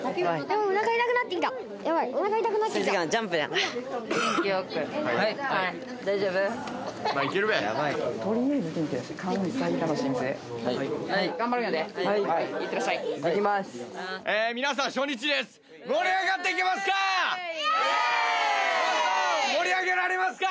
もっと！盛り上げられますか！